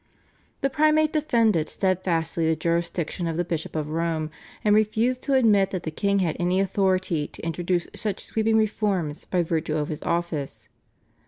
The Primate defended steadfastly the jurisdiction of the Bishop of Rome, and refused to admit that the king had any authority to introduce such sweeping reforms by virtue of his office.